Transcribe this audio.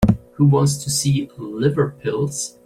Who wants to see liver pills?